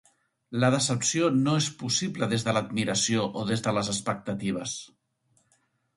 La decepció no és possible des de l'admiració o des de les expectatives.